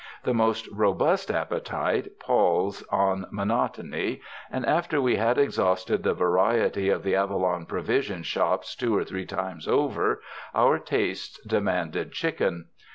The most robust appetite palls on monotony, and after we had exhausted the variety of the Ava lon provision shops two or three times over, our tastes demanded chicken.